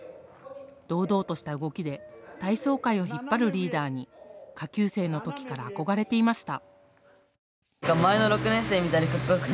堂々とした動きで体操会を引っ張るリーダーに下級生の時から憧れていました。